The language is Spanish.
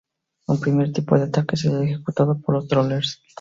Un primer tipo de ataque es el ejecutado por los "Troles".